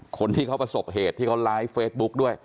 คนที่เขาประสบเหตุที่เขาไลฟ์เฟซบุ๊กด้วย